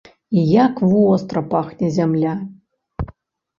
І як востра пахне зямля!